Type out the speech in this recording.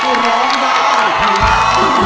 ร้องได้ให้ร้าน